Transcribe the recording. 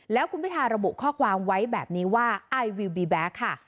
แล้วคุณพิธาระบุข้อความไว้แบบนี้ว่าไอวิวบีแบ็คค่ะ